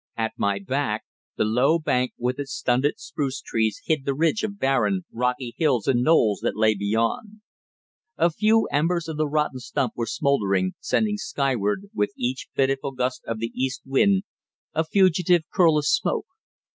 At my back the low bank with its stunted spruce trees hid the ridge of barren, rocky hills and knolls that lay beyond. A few embers of the rotten stump were smouldering, sending skyward, with each fitful gust of the east wind, a fugitive curl of smoke.